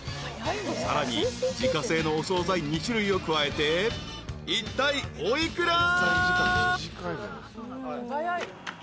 ［さらに自家製のお総菜２種類を加えていったいお幾ら？］